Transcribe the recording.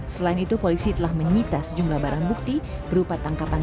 selain itu polisi telah menyita sejumlah barang bukti berupa tangkapan